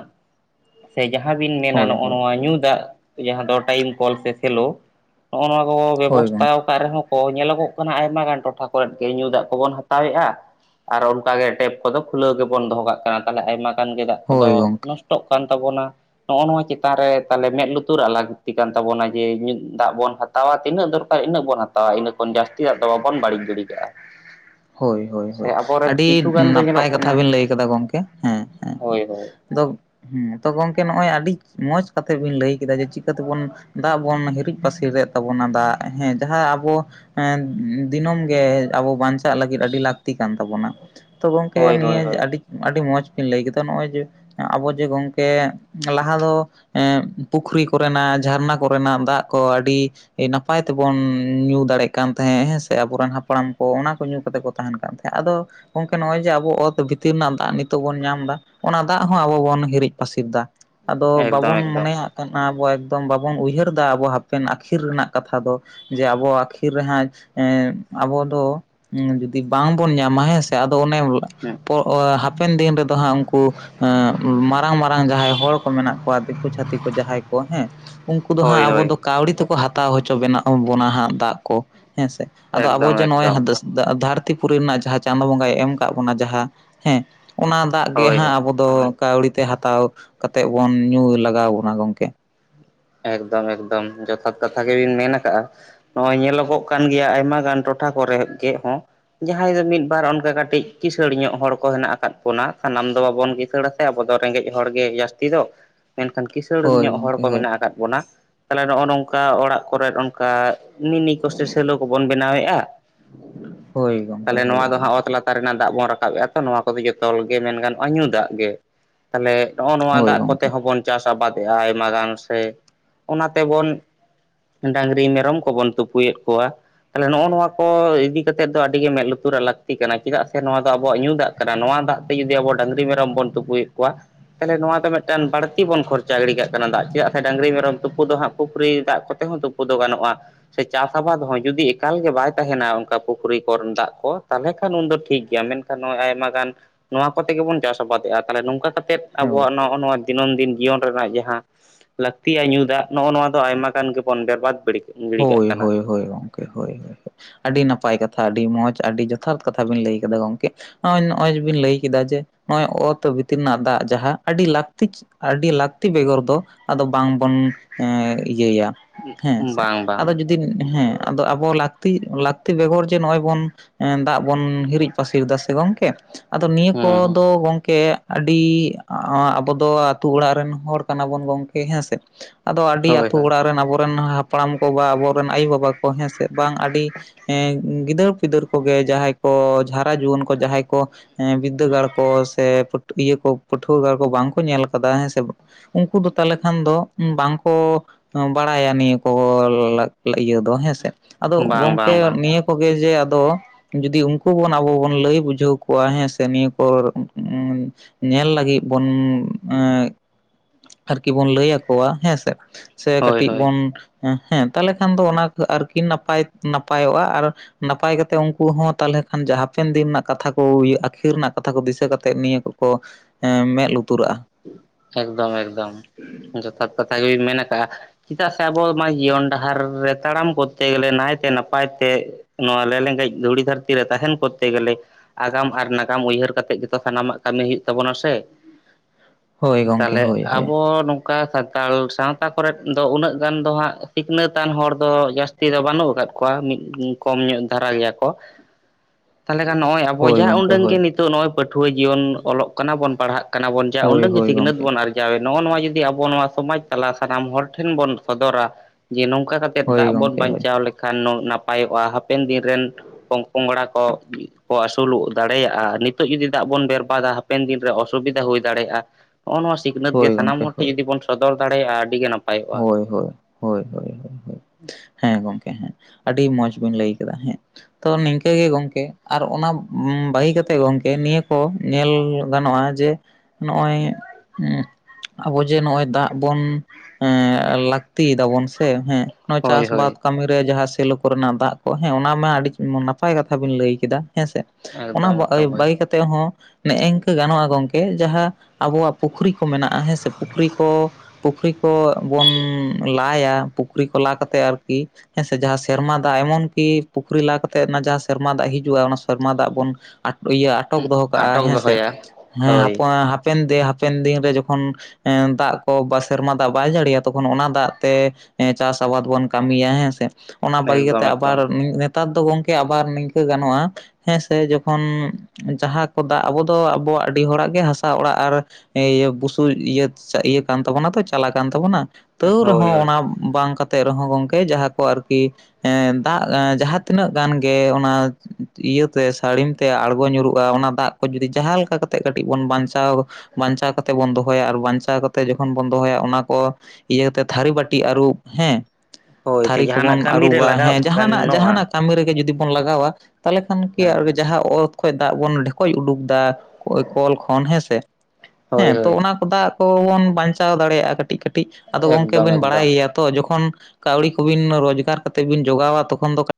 ᱥᱮ ᱡᱟᱦᱟᱸ ᱡᱟᱦᱟᱸ ᱵᱤᱱ ᱢᱮᱱᱟ ᱦᱳᱭ ᱱᱚᱜ ᱚ ᱦᱳᱭ ᱱᱚᱣᱟ ᱦᱳᱭ ᱧᱩ ᱫᱟᱜ ᱡᱟᱦᱟᱸ ᱫᱚ ᱴᱟᱭᱤᱢ ᱠᱚᱞ ᱥᱮ ᱥᱮᱞᱚ ᱱᱚᱜ ᱚ ᱱᱚᱣᱟ ᱠᱚ ᱦᱳᱭ ᱵᱮᱵᱚᱥᱛᱷᱟ ᱜᱚᱝᱠᱮ ᱟᱠᱟᱫ ᱨᱮᱦᱚᱸ ᱠᱚ ᱵᱮᱵᱚᱥᱛᱟ ᱠᱟᱜ ᱨᱮᱦᱠᱚ ᱧᱮᱞᱚᱜᱚᱜ ᱠᱟᱱᱟ ᱟᱭᱢᱟ ᱜᱟᱱ ᱴᱚᱴᱷᱟ ᱠᱚᱨᱮᱫ ᱜᱮ ᱧᱩ ᱫᱟᱜ ᱠᱚᱵᱚᱱ ᱦᱟᱛᱟᱣ ᱮᱭᱟ ᱟᱨ ᱚᱱᱠᱟᱜᱮ ᱴᱮᱯ ᱠᱚᱫᱚ ᱠᱷᱩᱞᱟᱹᱣ ᱜᱮᱵᱚᱱ ᱫᱚᱦᱚ ᱠᱟᱜ ᱠᱟᱱᱟ ᱛᱟᱦᱚᱞᱮ ᱟᱭᱢᱟ ᱠᱷᱟᱱ ᱜᱮ ᱫᱟᱜ ᱠᱚᱫᱚ ᱦᱳᱭ ᱜᱚᱝᱠᱮ ᱱᱚᱥᱴᱚᱜ ᱠᱟᱱ ᱛᱟᱵᱚᱱᱟ ᱱᱚᱜ ᱚ ᱱᱚᱣᱟ ᱪᱮᱛᱟᱱ ᱨᱮ ᱛᱟᱦᱚᱞᱮ ᱢᱮᱫ ᱞᱩᱛᱩᱨ ᱟᱜ ᱞᱟᱹᱠᱛᱤ ᱠᱟᱱ ᱛᱟᱵᱚᱱᱟ ᱡᱮ ᱢᱤᱫ ᱫᱟᱜ ᱵᱚᱱ ᱦᱟᱛ ᱛᱟᱭᱟ ᱛᱤᱱᱟᱹᱜ ᱫᱚᱨᱠᱟᱨ ᱤᱱᱟᱜ ᱵᱚᱱ ᱦᱟᱛᱟᱣᱟ ᱤᱱᱟ ᱠᱷᱚᱱ ᱡᱟᱥᱛᱤ ᱟᱫᱚ ᱵᱟᱵᱚᱱ ᱵᱟᱲᱤᱡ ᱜᱤᱰᱤ ᱠᱟᱜ ᱦᱳᱭ ᱦᱳᱭ ᱦᱳᱭ ᱟᱹᱰᱤ ᱧᱮᱞᱚᱜ ᱱᱟᱯᱟᱭ ᱠᱟᱛᱷᱟ ᱠᱟᱱᱟ ᱵᱤᱱ ᱞᱟᱹᱭ ᱠᱟᱫᱟ ᱜᱚᱝᱠᱮ ᱦᱮᱸ ᱦᱮᱸ ᱦᱳᱭ ᱦᱳᱭ ᱫᱚ ᱦᱩ ᱫᱚ ᱜᱚᱝᱠᱮ ᱱᱚᱭ ᱟᱹᱰᱤ ᱢᱚᱸᱪᱽ ᱠᱟᱛᱮ ᱵᱤᱱ ᱞᱟᱹᱭ ᱠᱮᱫᱟ ᱡᱮ ᱪᱤᱠᱟᱹᱛᱮᱵᱚᱱ ᱫᱟᱜ ᱵᱚᱱ ᱦᱤᱨᱤᱡ ᱯᱟᱹᱥᱤᱨᱮᱫ ᱛᱟᱵᱚᱱᱟ ᱫᱟᱜ ᱦᱮᱸ ᱡᱟᱦᱟᱸ ᱟᱵᱚ ᱦᱮ ᱫᱤᱱᱚᱢ ᱜᱮ ᱟᱵᱚ ᱵᱟᱧᱪᱟᱣ ᱪᱟᱜ ᱞᱟᱹᱜᱤᱫ ᱟᱹᱰᱤ ᱞᱟᱠᱛᱤ ᱠᱟᱱ ᱛᱟᱵᱚᱱᱟ ᱛᱚ ᱜᱚᱝᱠᱮ ᱦᱳᱭ ᱦᱳᱭ ᱱᱤᱭᱟᱹ ᱦᱳᱭ ᱟᱰᱡ ᱟᱹᱰᱤ ᱢᱚᱪᱵᱤᱱ ᱞᱟᱹᱭ ᱠᱮᱫᱟ ᱟᱵᱚ ᱡᱮ ᱜᱚᱝᱠᱮ ᱞᱟᱦᱟ ᱫᱚ ᱮᱜ ᱯᱩᱠᱷᱨᱤ ᱠᱚᱨᱮᱱᱟᱜ ᱡᱷᱟᱨᱱᱟ ᱠᱚᱨᱮᱱᱟᱜ ᱫᱟᱜ ᱠᱚ ᱟᱹᱰᱤ ᱮ ᱱᱟᱯᱟᱭ ᱛᱮᱵᱚᱱ ᱧᱩ ᱫᱟᱲᱮᱜ ᱠᱟᱱ ᱛᱟᱦᱮᱸᱫ ᱦᱮᱸ ᱥᱮᱮ ᱟᱵᱚᱨᱮᱱ ᱦᱟᱯᱲᱟᱢ ᱠᱚ ᱚᱱᱟ ᱧᱩ ᱠᱟᱛᱮ ᱠᱚ ᱛᱟᱸᱦᱮᱱ ᱠᱟᱱ ᱛᱟᱦᱮᱸᱫ ᱟᱫᱚ ᱜᱚᱝᱠᱮ ᱱᱚᱭ ᱡᱮ ᱟᱵᱚ ᱚᱛ ᱵᱷᱤᱛᱤᱨ ᱨᱮᱱᱟᱜ ᱫᱟᱜ ᱱᱤᱛᱳᱜ ᱵᱚᱱ ᱧᱟᱢ ᱫᱟ ᱚᱱᱟ ᱫᱟᱜ ᱦᱚᱸ ᱟᱵᱚ ᱵᱚᱱ ᱦᱤᱨᱤᱡ ᱯᱟᱹᱥᱤᱨ ᱫᱟ ᱟᱫᱚ ᱮᱠᱫᱚᱢ ᱵᱟᱵᱚᱱ ᱮᱠᱫᱚᱢ ᱢᱚᱱᱮᱭᱟᱜ ᱚᱱᱟ ᱵᱭᱮᱥ ᱠᱷᱚᱱ ᱵᱟᱵᱚᱱ ᱩᱭᱦᱟᱹᱨ ᱫᱟ ᱟᱵᱚ ᱦᱟᱯᱮᱱ ᱟᱹᱠᱷᱤᱨ ᱨᱮᱱᱟᱜ ᱠᱟᱛᱷᱟ ᱫᱚ ᱡᱮ ᱟᱵᱚ ᱟᱹᱠᱷᱤᱨ ᱨᱮᱦᱟᱸ ᱮ ᱟᱵᱚ ᱫᱚ ᱦᱩ ᱡᱩᱫᱤ ᱵᱟᱝᱵᱚᱱ ᱧᱟᱢᱟ ᱦᱮᱸ ᱥᱮ ᱟᱫᱚ ᱚᱱᱮ ᱯᱚᱨ ᱦᱟᱯᱮᱱ ᱫᱤᱱ ᱨᱮᱫᱚ ᱦᱟᱸᱜ ᱩᱝᱠᱩ ᱮᱜ ᱢᱟᱨᱟᱝ ᱢᱟᱨᱟᱝ ᱡᱟᱦᱟᱸᱭ ᱦᱚᱲ ᱠᱚ ᱢᱮᱱᱟᱜ ᱠᱚᱣᱟ ᱫᱤᱠᱩ ᱪᱷᱟᱹᱛᱤᱠ ᱠᱚ ᱡᱟᱦᱟᱸᱭ ᱠᱚ ᱦᱮᱸ ᱩᱱᱠᱩ ᱫᱚ ᱦᱳᱭ ᱦᱟᱸᱜ ᱟᱵᱚ ᱦᱳᱭ ᱫᱚ ᱠᱟᱹᱣᱰᱤ ᱛᱮᱠᱚ ᱦᱟᱛᱟᱣ ᱦᱚᱪᱚ ᱵᱮᱱᱟᱜ ᱵᱚᱱᱟ ᱦᱟᱸᱜ ᱫᱟᱜ ᱠᱚ ᱦᱮᱸ ᱥᱮ ᱟᱫᱚ ᱟᱵᱚ ᱮᱠᱫᱚᱢ ᱡᱮ ᱱᱚᱭ ᱮᱠᱫᱚᱢ ᱦᱟᱹᱫᱟᱥ ᱫᱟᱜ ᱫᱷᱟᱹᱨᱛᱤ ᱯᱩᱨᱤ ᱨᱮᱱᱟᱜ ᱡᱟᱦᱟᱸ ᱪᱟᱸᱫᱚ ᱵᱚᱸᱜᱟᱭ ᱮᱢ ᱠᱟᱜ ᱵᱚᱱᱟ ᱡᱟᱦᱟᱸ ᱦᱮᱸ ᱚᱱᱟ ᱫᱟᱜ ᱜᱮ ᱦᱟᱸᱜ ᱦᱳᱭ ᱟᱵᱚ ᱫᱚ ᱠᱟᱹᱣᱲᱤ ᱛᱮ ᱦᱟᱛᱟᱣ ᱠᱟᱛᱮᱫ ᱵᱚᱱ ᱧᱩ ᱞᱟᱜᱟᱣ ᱵᱚᱱᱟ ᱜᱚᱝᱠᱮ ᱮᱠᱫᱚᱢ ᱮᱠᱫᱚᱢ ᱡᱚᱛᱷᱟᱛ ᱠᱟᱛᱷᱟ ᱜᱮᱵᱤᱱ ᱢᱮᱱ ᱟᱠᱜ ᱟ ᱱᱚᱭ ᱧᱮᱞᱚᱜᱚ ᱠᱟᱱ ᱜᱮᱭᱟ ᱟᱭᱢᱟ ᱜᱟᱱ ᱴᱚᱴᱷᱟ ᱠᱚᱨᱮ ᱜᱮ ᱦᱚᱸ ᱡᱟᱦᱟᱸᱭ ᱫᱚ ᱢᱤᱫ ᱵᱟᱨ ᱚᱱᱠᱟ ᱠᱟᱹᱴᱤᱡ ᱠᱤᱥᱟᱹᱟᱹᱲ ᱧᱚᱜ ᱦᱚᱲ ᱠᱚ ᱦᱮᱱᱟᱜ ᱟᱠᱟᱫ ᱵᱚᱱᱟ ᱥᱟᱱᱟᱢ ᱫᱚ ᱵᱟᱵᱚᱱ ᱠᱤᱥᱟᱹᱬᱟ ᱥᱮ ᱮ ᱟᱵᱚ ᱫᱚ ᱨᱮᱸᱜᱮᱡ ᱦᱚᱲ ᱜᱮ ᱡᱟᱹᱥᱛᱤ ᱫᱚ ᱢᱮᱱᱠᱷᱟᱱ ᱠᱤᱥᱟᱹᱲ ᱦᱳᱭ ᱧᱚᱜ ᱦᱚᱲ ᱜᱚᱝᱠᱮ ᱠᱚ ᱦᱳᱭ ᱢᱮᱱᱟᱜ ᱟᱠᱟᱫ ᱵᱚᱱᱟ ᱛᱟᱦᱚᱞᱮ ᱱᱚ ᱱᱚᱝᱠᱟ ᱚᱲᱟᱜ ᱠᱚᱨᱮᱫ ᱚᱱᱠᱟ ᱢᱤᱱᱤ ᱠᱚᱥᱮ ᱥᱮᱞᱳ ᱠᱚᱵᱚᱱ ᱵᱮᱱᱟᱣᱮᱜ ᱟ ᱦᱳᱭ ᱜᱚᱝᱠᱮ ᱛᱟᱦᱚᱞᱮ ᱦᱳᱭ ᱱᱚᱣᱟ ᱫᱚ ᱦᱟᱸᱜ ᱚᱛ ᱞᱟᱛᱟ ᱨᱮᱱᱟᱜ ᱫᱟᱜ ᱵᱚᱱ ᱨᱟᱠᱟᱵᱮᱫᱟ ᱛᱚ ᱱᱚᱣᱟ ᱠᱚᱫᱚ ᱡᱚᱛᱚ ᱜᱮ ᱢᱮᱱ ᱜᱟᱱᱚᱜ ᱟ ᱧᱩ ᱫᱟᱜ ᱜᱮ ᱛᱟᱦᱟᱞᱮ ᱱᱚ ᱱᱚᱣᱟ ᱦᱳᱭ ᱫᱟᱜ ᱠᱚᱛᱮ ᱜᱚᱝᱠᱮ ᱦᱚᱸᱵᱚᱱ ᱪᱟᱥ ᱟᱵᱟᱫ ᱮ ᱟ ᱟᱭᱢᱟ ᱜᱟᱱ ᱥᱮ ᱚᱱᱟ ᱛᱮᱵᱚᱱ ᱰᱟᱹᱝᱨᱤ ᱢᱮᱨᱚᱢ ᱠᱚᱵᱚᱱ ᱛᱩᱯᱩᱭᱮᱫ ᱠᱚᱣᱟ ᱛᱟᱦᱚᱞᱮ ᱱᱚ ᱱᱚᱣᱟ ᱠᱚ ᱤᱫᱤ ᱠᱟᱛᱮ ᱫᱚ ᱟᱹᱰᱤᱜᱮ ᱢᱮᱸᱫ ᱞᱩᱛᱩᱨᱟᱜ ᱞᱟᱹᱠᱛᱤ ᱠᱟᱱᱟ ᱪᱮᱫᱟᱜ ᱥᱮ ᱱᱚᱣᱟ ᱫᱚ ᱟᱵᱚᱣᱟᱜ ᱧᱩ ᱫᱟᱜ ᱠᱟᱱᱟ ᱱᱚᱣᱟ ᱫᱟᱜ ᱛᱮ ᱡᱩᱫᱤ ᱟᱵᱚ ᱰᱟᱹᱝᱨᱤ ᱢᱮᱨᱚᱢ ᱵᱚᱱ ᱛᱩᱯᱩᱭᱮᱫ ᱠᱚᱣᱟ ᱛᱟᱦᱚᱞᱮ ᱱᱚᱣᱟ ᱫᱚ ᱢᱤᱫᱴᱟᱝ ᱵᱟᱹᱲᱛᱤ ᱵᱚᱱ ᱠᱷᱚᱨᱪᱟ ᱜᱤᱰᱤ ᱠᱟᱜ ᱠᱟᱱᱟ ᱫᱟᱜ ᱪᱮᱫᱟᱜ ᱥᱮ ᱰᱟᱹᱟᱝᱨᱤ ᱢᱮᱨᱢ ᱫᱚᱢ ᱛᱩᱯᱩ ᱫᱚ ᱦᱟᱸᱜ ᱯᱩᱠᱷᱨᱤ ᱫᱟᱜ ᱠᱚᱛᱮ ᱦᱚᱸ ᱛᱩᱯᱩ ᱫᱚ ᱜᱟᱱᱚᱜ ᱟ ᱥᱮ ᱪᱟᱥ ᱟᱵᱟᱫ ᱦᱚᱸ ᱡᱩᱫᱤ ᱮᱠᱟᱞ ᱜᱮ ᱵᱟᱭ ᱛᱟᱦᱮᱱᱟ ᱚᱱᱠᱟ ᱯᱩᱠᱷᱨᱤ ᱠᱚᱨᱮᱱ ᱫᱟᱜ ᱠᱚ ᱛᱟᱦᱚᱞᱮ ᱠᱷᱟᱱ ᱩᱱᱫᱚ ᱴᱷᱤᱠ ᱜᱮᱭᱟ ᱢᱮᱱᱠᱷᱟᱱ ᱱᱚᱣᱟ ᱟᱭᱢᱟ ᱜᱟᱱ ᱱᱚᱣᱟ ᱠᱚᱛᱮᱜᱮ ᱵᱚᱱ ᱪᱟᱥ ᱟᱵᱟᱫᱮᱜ ᱟ ᱛᱟᱦᱚᱞᱮ ᱱᱚᱝᱠᱟ ᱠᱟᱛᱮ ᱛᱮᱫ ᱦᱳᱭ ᱟᱵᱚᱣᱟᱜ ᱱᱚ ᱱᱚᱣᱟ ᱫᱤᱱᱟᱢ ᱫᱤᱱ ᱡᱤᱭᱚᱱ ᱨᱮᱱᱟᱜ ᱡᱟᱦᱟᱸ ᱛᱤᱭᱟᱜ ᱧᱩ ᱫᱟᱜ ᱱᱚᱜᱼᱚ ᱱᱚᱣᱟ ᱫᱚ ᱟᱭᱢᱟ ᱜᱟᱱ ᱜᱮᱵᱚᱱ ᱵᱮᱨᱵᱟᱫᱽ ᱜᱤᱬᱤ ᱦᱳᱭ ᱦᱳᱭ ᱦᱳᱭ ᱜᱚᱢᱠᱮ ᱦᱳᱭ ᱦᱳᱭ ᱾ ᱟᱹᱰᱤ ᱱᱟᱯᱟᱭ ᱠᱟᱛᱷᱟ ᱟᱹᱰᱤ ᱢᱚᱸᱡᱽ ᱟᱹᱰᱤ ᱡᱚᱛᱷᱟᱛ ᱠᱟᱛᱷᱟ ᱵᱤᱱ ᱞᱟᱹᱭ ᱠᱟᱫᱟ ᱜᱚᱝᱠᱮ ᱾ ᱦᱚᱸ ᱱᱚᱜᱼᱚᱭ ᱡᱮ ᱵᱤᱱ ᱞᱟᱹᱭ ᱠᱮᱫᱟ ᱡᱮ ᱱᱚᱜᱼᱚᱭ ᱚᱛ ᱵᱷᱤᱛᱤᱨ ᱨᱮᱱᱟᱜ ᱫᱟᱜ ᱡᱟᱦᱟᱸ ᱟᱹᱰᱤ ᱞᱟᱹᱠᱛᱤ ᱠᱤ? ᱟᱹᱰᱤ ᱞᱟᱹᱠᱛᱤ ᱵᱮᱜᱚᱨ ᱫᱚ ᱟᱫᱚ ᱵᱟᱝᱵᱚᱱ ᱮᱸ ᱤᱭᱟᱹᱭᱟ ᱾ ᱵᱟᱝ ᱵᱟᱝ ᱾ ᱫᱤᱱ ᱦᱮᱸ ᱟᱫᱚ ᱟᱵᱚ ᱞᱟᱹᱠᱛᱤ ᱞᱟᱹᱠᱛᱤ ᱵᱮᱜᱚᱨ ᱡᱮ ᱱᱚᱜᱼᱚᱭ ᱵᱚᱱ ᱫᱟᱜ ᱵᱚᱱ ᱦᱤᱨᱤᱡ ᱯᱟᱹᱥᱤᱨ ᱫᱟ ᱥᱮ ᱜᱚᱝᱠᱮ ᱟᱫᱚ ᱱᱤᱭᱟᱹ ᱦᱩᱸ ᱦᱩᱸ ᱠᱚᱫᱚ ᱜᱚᱝᱠᱮ ᱟᱹᱰᱤ ᱟᱵᱚ ᱫᱚ ᱟᱹᱛᱩ ᱚᱲᱟᱜ ᱨᱮᱱ ᱦᱚᱲ ᱠᱟᱱᱟᱵᱚᱱ ᱜᱚᱝᱠᱮ ᱦᱮᱸᱥᱮ ᱾ ᱟᱫᱚ ᱟᱹᱰᱤ ᱦᱳᱭ ᱟᱹᱛᱩ ᱦᱳᱭ ᱚᱲᱟᱜ ᱨᱮᱱ ᱟᱵᱚᱨᱮᱱ ᱦᱟᱯᱲᱟᱢ ᱠᱚ ᱵᱟ ᱟᱵᱚᱨᱮᱱ ᱟᱭᱳᱵᱟᱵᱟ ᱠᱚ ᱦᱮᱸᱥᱮ ᱵᱟᱝ ᱟᱹᱰᱤ ᱦᱮᱧ ᱜᱤᱫᱟᱹᱨ ᱯᱤᱫᱟᱹᱨ ᱠᱚᱜᱮ ᱡᱟᱦᱟᱸᱭ ᱠᱚ ᱡᱷᱟᱨᱟ ᱡᱩᱣᱟᱹᱱ ᱠᱚ ᱡᱟᱦᱟᱸᱭ ᱠᱚ ᱦᱮᱸ ᱵᱤᱫᱽᱫᱟᱹᱜᱟᱲ ᱠᱚ ᱥᱮ ᱤᱭᱟᱹ ᱠᱚ ᱯᱟᱹᱴᱷᱣᱟᱹ ᱜᱟᱲ ᱠᱚ ᱵᱟᱝᱠᱚ ᱧᱮᱞ ᱠᱟᱫᱟ ᱦᱮᱸ ᱥᱮ ᱵᱟᱝ ᱩᱱᱠᱩ ᱫᱚ ᱛᱟᱦᱚᱞᱮ ᱠᱷᱟᱱ ᱫᱚ ᱵᱟᱝᱠᱚ ᱵᱟᱲᱟᱭᱟ ᱱᱤᱭᱟᱹ ᱾ [UNINTELLIGIBLE] ᱤᱭᱟᱹ ᱫᱚ ᱦᱮᱸ ᱥᱮ ᱟᱫᱚ ᱵᱟᱝ ᱜᱚᱝᱠᱮ ᱵᱟᱝ ᱵᱟᱝ ᱱᱤᱭᱟᱹ ᱠᱚᱜᱮ ᱡᱮ ᱟᱫᱚ ᱡᱩᱫᱤ ᱩᱱᱠᱩ ᱵᱚᱱ ᱟᱵᱚ ᱵᱚᱱ ᱞᱟᱹᱭ ᱵᱩᱡᱷᱟᱹᱣ ᱠᱚᱣᱟ ᱦᱮᱸ ᱥᱮ ᱱᱤᱭᱟᱹ ᱠᱚ ᱧᱮᱞ ᱞᱟᱹᱜᱤᱫ ᱵᱳᱱ ᱮᱸ ᱟᱨᱠᱤ ᱵᱚᱱ ᱞᱟᱹᱭ ᱟᱠᱚᱣᱟ ᱦᱮᱸᱥᱮ ᱾ ᱥᱮ ᱦᱳᱭ ᱠᱟᱹᱴᱤᱡ ᱦᱳᱭ ᱵᱚᱱ ᱦᱮᱸ ᱛᱟᱦᱚᱞᱮ ᱠᱷᱟᱱ ᱫᱚ ᱚᱱᱟ ᱠ ᱟ ᱟᱨᱠᱤ ᱱᱟᱯᱟᱭᱚᱜᱼᱟ ᱟᱨ ᱱᱟᱯᱟᱭ ᱠᱟᱛᱮᱜ ᱩᱱᱠᱩ ᱦᱚᱸ ᱛᱟᱞᱦᱮ ᱠᱷᱟᱱ ᱡᱟ ᱦᱟᱯᱮᱱ ᱫᱤᱱᱟᱜ ᱠᱟᱛᱷᱟ ᱠᱚ ᱩᱭᱦᱟᱹᱨ ᱟᱹᱷᱤᱨ ᱨᱮᱱᱟᱜ ᱠᱟᱛᱷᱟ ᱠᱚ ᱫᱤᱥᱟᱹ ᱠᱟᱛᱮᱫ ᱱᱤᱭᱟᱹ ᱠᱚ ᱢᱮᱫ ᱞᱩᱛᱩᱨᱟᱜᱼᱟ ᱾ ᱮᱠᱫᱚᱢ ᱮᱠᱫᱚᱢ ᱡᱚᱛᱷᱟᱛ ᱠᱟᱛᱷᱟ ᱜᱮᱢ ᱢᱮᱱ ᱠᱟᱜᱼᱟ ᱾ ᱪᱮᱫᱟᱜ ᱥᱮ ᱟᱵᱚ ᱢᱟ ᱡᱤᱭᱚᱱ ᱰᱟᱦᱟᱨ ᱨᱮ ᱛᱟᱲᱟᱢ ᱠᱚᱛᱮ ᱜᱮᱞᱮ ᱱᱟᱭᱛᱮ ᱱᱟᱯᱟᱭ ᱛᱮ ᱱᱚᱣᱟ ᱞᱮ ᱞᱮᱜᱮᱸᱡ ᱫᱷᱩᱲᱤ ᱫᱷᱟᱹᱨᱛᱤ ᱨᱮ ᱛᱟᱦᱮᱸᱱ ᱠᱚᱛᱮ ᱜᱮᱞᱮ ᱟᱜᱟᱢ ᱟᱨ ᱱᱟᱜᱟᱢ ᱩᱭᱦᱟᱹᱨ ᱠᱟᱛᱮᱫ ᱜᱮᱛᱚ ᱥᱟᱱᱟᱢᱟᱜ ᱠᱟᱹᱢᱤ ᱦᱩᱭᱩᱜ ᱛᱟᱵᱚᱱᱟ ᱥᱮ ᱾ ᱦᱳᱭ ᱜᱚᱢᱠᱮ ᱛᱟᱦᱞᱮ ᱦᱳᱭ ᱦᱳᱭ ᱟᱵᱚ ᱱᱚ ᱚᱠᱟ ᱥᱟᱱᱛᱟᱞ ᱥᱟᱶᱛᱟ ᱠᱚᱨᱮᱫ ᱫᱚ ᱩᱱᱟᱹᱜ ᱜᱟᱱ ᱫᱚ ᱦᱟᱸᱜ ᱥᱤᱠᱷᱱᱟᱹᱛ ᱟᱱ ᱦᱚᱲ ᱫᱚ ᱡᱟᱹᱥᱛᱤ ᱛᱤ ᱫᱚ ᱵᱟᱹᱱᱩᱜ ᱟᱠᱟᱫ ᱠᱚᱣᱟ ᱢᱤᱫ ᱠᱚᱢ ᱧᱚᱜ ᱫᱷᱟᱨᱟᱭ ᱜᱮᱭᱟ ᱠᱚ ᱾ ᱛᱟᱦᱞᱮ ᱠᱷᱟᱱ ᱱᱚᱜᱼᱚᱭ ᱟᱵᱚ ᱦᱳᱭ ᱡᱟᱦᱟᱸ ᱜᱚᱢᱠᱮ ᱩᱰᱝ ᱜᱮ ᱦᱳᱭ ᱱᱤᱛᱚᱜ ᱱᱚᱜᱼᱚᱭ ᱯᱟᱹᱴᱷᱩᱣᱟᱹ ᱡᱤᱭᱚᱱ ᱚᱞᱚᱜ ᱠᱟᱱᱟ ᱵᱚᱱ ᱯᱟᱲᱦᱟᱜ ᱠᱟᱱᱟ ᱵᱚᱱ ᱪᱟ ᱦᱳᱭ ᱚᱸᱰᱮ ᱜᱤ ᱦᱳᱭ ᱥᱤᱠᱷᱱᱟᱹᱛ ᱜᱚᱢᱠᱮ ᱵᱚᱱ ᱟᱨᱡᱟ ᱡᱟᱣᱟ ᱱᱚᱜᱼᱚ ᱱᱚᱣᱟ ᱡᱩᱫᱤ ᱟᱵᱚ ᱱᱚᱣᱟ ᱥᱚᱢᱟᱡᱽ ᱛᱟᱞᱟ ᱥᱟᱱᱟᱢ ᱦᱚᱲ ᱴᱷᱮᱱ ᱵᱚᱱ ᱥᱚᱫᱚᱨᱟ ᱡᱮ ᱱᱚᱝᱠᱟ ᱠᱟᱛᱮ ᱛᱮᱫ ᱦᱳᱭ ᱫᱟᱜ ᱵᱚᱱ ᱜᱚᱢᱠᱮ ᱦᱳᱭ ᱵᱟᱧᱪᱟᱣ ᱞᱮᱠᱷᱟᱱ ᱱᱚ ᱱᱟᱯᱟᱭᱚᱜᱼᱟ ᱦᱟᱯᱮᱱ ᱫᱤᱱ ᱨᱮᱱ ᱯᱚᱝ ᱯᱚᱝᱲᱟ ᱠᱚ ᱟᱹᱥᱩᱞᱚᱜ ᱫᱟᱲᱮᱭᱟᱜᱼᱟ ᱱᱤᱛᱚᱜ ᱡᱩᱫᱤ ᱫᱟᱜ ᱵᱚᱱ ᱫᱚᱨᱠᱟᱨᱟ ᱦᱟᱯᱮᱱ ᱫᱤᱱ ᱨᱮ ᱚᱥᱩᱵᱤᱫᱷᱟ ᱦᱩᱭ ᱫᱟᱲᱮᱭᱟᱜᱼᱟ ᱱᱚᱜᱼᱚ ᱱᱚᱣᱟ ᱥᱤᱠᱷᱱᱟᱹᱛ ᱜᱮ ᱦᱳᱭ ᱥᱟᱱᱟᱢ ᱜᱚᱢᱠᱮ ᱦᱚᱲ ᱴᱷᱮᱱ ᱦᱳᱭ ᱡᱩᱫᱤ ᱵᱚᱱ ᱥᱚᱫᱚᱨ ᱫᱟᱲᱮᱭᱟᱜᱼᱟ ᱟᱹᱰᱤ ᱜᱤ ᱱᱟᱯᱟᱭ ᱦᱳᱭ ᱦᱳᱭ ᱦᱳᱭ ᱦᱳᱭ ᱦᱳᱭ ᱾ ᱦᱮᱸ ᱜᱚᱝᱠᱮ ᱦᱮᱸ ᱟᱹᱰᱤ ᱢᱚᱸᱡᱽ ᱵᱤᱱ ᱞᱟᱹᱭ ᱠᱮᱫᱟ ᱦᱮᱸ ᱾ ᱛᱚ ᱱᱤᱝᱠᱟᱹ ᱜᱮ ᱜᱚᱝᱠᱮ ᱟᱨ ᱚᱱᱟ ᱵᱟᱹᱜᱤ ᱠᱟᱛᱮᱜ ᱜᱚᱝᱠᱮ ᱱᱤᱭᱟᱹ ᱠᱚ ᱧᱮᱞ ᱜᱟᱱᱚᱜᱼᱟ ᱡᱮ ᱱᱚᱜᱼᱚᱭ ᱟᱵᱚ ᱡᱮ ᱱᱚᱜᱼᱚᱭ ᱫᱟᱜ ᱵᱚᱱ ᱦᱮᱸ ᱞᱟᱹᱠᱛᱤ ᱮᱫᱟᱵᱚᱱ ᱥᱮ ᱦᱮᱸ ᱦᱳᱭ ᱪᱟᱥ ᱵᱟᱫ ᱦᱳᱭ ᱠᱟᱹᱢᱤ ᱨᱮ ᱡᱟᱦᱟᱸ ᱥᱮᱞᱚ ᱨᱮᱱᱟᱜ ᱫᱟᱜ ᱠᱚ ᱦᱮᱸ ᱚᱱᱟ ᱢᱟ ᱟᱹᱰᱤ ᱱᱟᱯᱟᱭ ᱠᱟᱛᱷᱟ ᱵᱮᱤᱱ ᱞᱟᱹᱭ ᱠᱮᱫᱟ ᱦᱮᱸᱥᱮ ᱚᱱᱟ ᱮᱠᱫᱚᱢ ᱮᱠᱫᱚᱢ ᱦᱳᱭ ᱵᱟᱹᱜᱤ ᱠᱟᱛᱮ ᱛᱮ ᱦᱚᱸ ᱱᱮᱜᱝᱠᱟᱹ ᱜᱟᱱᱚᱜᱼᱟ ᱜᱚᱢᱠᱮ ᱡᱟᱦᱟᱸ ᱟᱵᱚᱣᱟᱜ ᱯᱩᱠᱷᱨᱤ ᱠᱚ ᱢᱮᱱᱟᱜᱼᱟ ᱦᱮᱸ ᱥᱮ ᱯᱩᱠᱷᱨᱤ ᱠᱚ ᱯᱩᱠᱷᱨᱤ ᱠᱚ ᱵᱚᱱ ᱞᱟᱭᱟ ᱯᱩᱠᱷᱨᱤ ᱠᱚ ᱞᱟ ᱠᱟᱛᱮ ᱟᱨᱠᱤ ᱦᱮᱸ ᱥᱮ ᱡᱟᱦᱟᱸ ᱥᱮᱨᱢᱟ ᱫᱟᱜ ᱮᱢᱚᱱ ᱠᱤ ᱯᱩᱠᱷᱨᱤ ᱞᱟ ᱠᱟᱛᱮᱫ ᱚᱱᱟ ᱡᱟᱦᱟᱸ ᱥᱮᱨᱢᱟ ᱫᱟᱜ ᱦᱤᱡᱩᱜᱼᱟ ᱚᱱᱟ ᱥᱮᱨᱢᱟ ᱫᱟᱜ ᱵᱚᱱ ᱤᱭ ᱟᱴᱚᱠ ᱫᱚᱦᱚ ᱠᱟᱜᱼᱟ ᱟᱴᱚᱠ ᱦᱮᱸᱥᱮ ᱫᱚᱦᱚᱭᱟ ᱦᱮᱸ ᱦᱳᱭ [UNINTELLIGIBLE] ᱦᱟᱯᱮᱱ ᱫᱤᱱ ᱦᱟᱯᱮᱱ ᱫᱤᱱ ᱨᱮ ᱡᱚᱠᱷᱚᱱ ᱫᱟᱜ ᱠᱚ ᱵᱟ ᱥᱮᱨᱢᱟ ᱫᱟᱜ ᱵᱟᱭ ᱡᱟᱹᱲᱤᱭᱟ ᱛᱚᱠᱷᱚᱱ ᱚᱱᱟ ᱫᱟᱜ ᱛᱮ ᱪᱟᱥ ᱟᱵᱟᱫ ᱵᱚᱱ ᱠᱟᱹᱢᱤᱭᱟ ᱦᱮᱸ ᱥᱮ ᱾ ᱚᱱᱟ ᱵᱟᱹᱜᱤ ᱮᱠᱫᱚᱢ ᱠᱟᱛᱮᱜ ᱮᱠᱫᱚᱢ ᱟᱵᱟᱨ ᱱᱮᱛᱟᱨ ᱫᱚ ᱜᱚᱝᱠᱮ ᱟᱵᱟᱨ ᱱᱤᱝᱠᱟᱹ ᱜᱟᱱᱚᱜᱼᱟ ᱦᱮᱸ ᱥᱮ ᱡᱚᱠᱷᱚᱱ ᱡᱟᱦᱟᱸ ᱠᱚ ᱫᱟᱜ ᱟᱵᱚ ᱫᱚ ᱟᱵᱚᱣᱟᱜ ᱟᱹᱰᱤ ᱦᱚᱲᱟᱜ ᱜᱮ ᱦᱟᱥᱟ ᱚᱲᱟᱜ ᱟᱨ ᱤᱭᱟᱹ ᱵᱩᱥᱩᱵ ᱤᱭᱟᱹ ᱤᱭᱟᱹ ᱠᱟᱱ ᱛᱟᱵᱚᱱᱟ ᱛᱚ ᱪᱟᱞᱟᱜ ᱠᱟᱱ ᱛᱟᱵᱚᱱᱟ ᱛᱟᱹᱣ ᱦᱳᱭ ᱨᱮᱦᱚᱸ ᱦᱳᱭ ᱚᱱᱟ ᱵᱟᱝ ᱠᱟᱛᱮᱜ ᱨᱮᱦᱚᱸ ᱜᱚᱝᱠᱮ ᱡᱟᱦᱟᱸ ᱠᱚ ᱟᱨᱠᱤ ᱫᱟᱜ ᱡᱟᱦᱟᱸ ᱛᱤᱱᱟᱹᱜ ᱜᱟᱱ ᱜᱮ ᱚᱱᱟᱼᱼ ᱤᱭᱟᱹᱛᱮ ᱥᱟᱹᱲᱤᱢ ᱛᱮ ᱟᱬᱜᱚ ᱧᱩᱨᱩᱜᱼᱟ ᱚᱱᱟ ᱫᱟᱜ ᱠᱚ ᱡᱩᱫᱤ ᱡᱟᱦᱟᱸ ᱞᱮᱠᱟ ᱠᱟᱛᱮ ᱠᱟᱹᱴᱤᱡ ᱵᱚᱱ ᱵᱟᱧᱪᱟᱣ ᱵᱟᱧᱪᱟᱣ ᱠᱟᱛᱮ ᱵᱚᱱ ᱫᱚᱦᱚᱭᱟ ᱟᱨ ᱵᱟᱧᱪᱟᱣ ᱠᱟᱛᱮ ᱡᱚᱠᱷᱚᱱ ᱵᱚᱱᱼᱼ ᱫᱚᱦᱚᱭᱟ ᱚᱱᱟ ᱠᱚ ᱤᱭᱟᱹ ᱠᱟᱛᱮ ᱛᱷᱟᱹᱨᱤ ᱵᱟᱹᱴᱤ ᱟᱹᱨᱩᱵ ᱦᱮᱸ ᱦᱳᱭ ᱥᱮ ᱛᱷᱟᱹᱨᱤ ᱡᱟᱦᱟᱱᱟᱜ ᱠᱚᱵᱚᱱ ᱠᱟᱹᱢᱤ ᱨᱮ ᱟᱨᱩᱵᱟ ᱦᱮᱸ ᱞᱟᱜᱟᱣ ᱡᱟᱸᱦᱟᱱᱟᱜ ᱜᱟᱱᱚᱜᱼᱟ ᱡᱟᱸᱦᱟᱱᱟᱜ ᱠᱟᱹᱢᱤ ᱨᱮᱜᱮ ᱡᱩᱫᱤ ᱵᱚᱱ ᱞᱟᱜᱟᱣᱟ ᱛᱟᱦᱚᱞᱮ ᱠᱷᱟᱱ ᱠᱤ ᱦᱮᱸ ᱟᱨ ᱦᱮᱸ ᱡᱟᱦᱟᱸ ᱚᱛ ᱠᱷᱚᱡ ᱫᱟᱜ ᱵᱚᱱ ᱰᱷᱮᱠᱚᱡ ᱩᱰᱩᱠ ᱮᱫᱟᱠᱚ ᱠᱚᱞ ᱠᱷᱚᱱ ᱦᱮᱸᱥᱮ ᱦᱳᱭ ᱦᱮᱸ ᱛᱚ ᱦᱳᱭ ᱚᱱᱟ ᱫᱟᱜ ᱠᱚ ᱵᱚᱱ ᱵᱟᱧᱪᱟᱣ ᱫᱟᱲᱮᱭᱟᱜᱼᱟ ᱠᱟᱹᱴᱤᱡ ᱠᱟᱹᱴᱤᱡ ᱟᱫᱚ ᱜᱚᱝᱠᱮ ᱮᱠᱫᱚᱢ ᱵᱮᱱ ᱮᱠᱫᱚᱢ ᱵᱟᱲᱟᱭᱮᱭᱟ ᱛᱚ ᱡᱚᱠᱷᱚᱱ ᱠᱟᱹᱣᱰᱤ ᱠᱚᱵᱤᱱ ᱨᱳᱡᱽᱜᱟᱹᱨ ᱠᱟᱛᱮ ᱵᱤᱱ ᱡᱚᱜᱟᱣᱟ ᱛᱚᱠᱷᱚᱱ ᱫᱚ